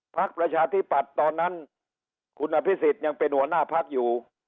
ประชาธิปัตย์ตอนนั้นคุณอภิษฎยังเป็นหัวหน้าพักอยู่